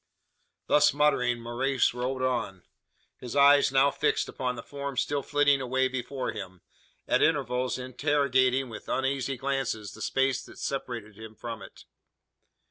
Thus muttering, Maurice rode on: his eyes now fixed upon the form still flitting away before him; at intervals interrogating, with uneasy glances, the space that separated him from it.